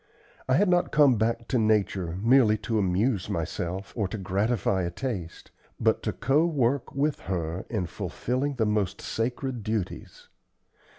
I had not come back to Nature merely to amuse myself or to gratify a taste, but to co work with her in fulfilling the most sacred duties.